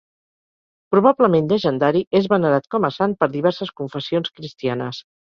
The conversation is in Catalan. Probablement llegendari, és venerat com a sant per diverses confessions cristianes.